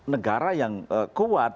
negara yang kuat